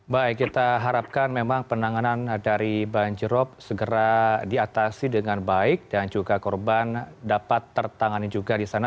baik kita harapkan memang penanganan dari banjirop segera diatasi dengan baik dan juga korban dapat tertangani juga di sana